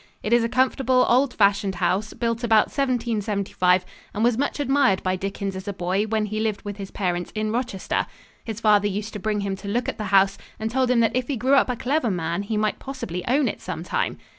It is a comfortable, old fashioned house, built about 1775, and was much admired by Dickens as a boy when he lived with his parents in Rochester. His father used to bring him to look at the house and told him that if he grew up a clever man, he might possibly own it some time.